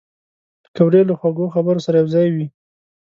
پکورې له خوږو خبرو سره یوځای وي